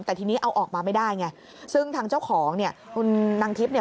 แต่ทีนี้เอาออกมาไม่ได้ไงซึ่งทางเจ้าของนางทิพย์